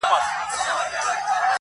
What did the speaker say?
خټي کوم.